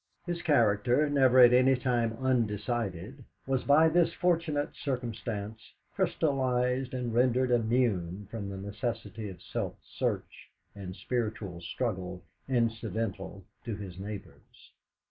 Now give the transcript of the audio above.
His character, never at any time undecided, was by this fortunate circumstance crystallised and rendered immune from the necessity for self search and spiritual struggle incidental to his neighbours.